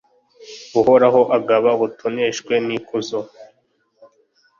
uhoraho agaba ubutoneshwe n'ikuzo